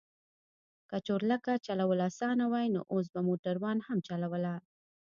که چورلکه چلول اسانه وای نو اوس به موټروان هم چلوله.